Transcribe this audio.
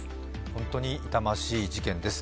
本当に痛ましい事件です。